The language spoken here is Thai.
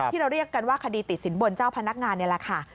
ที่เราเรียกกันว่าคดีติดสินบนเจ้าพนักงานนี่แหละค่ะ